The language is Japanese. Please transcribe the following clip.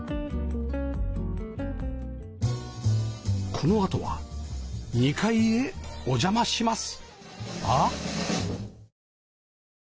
このあとは２階へお邪魔します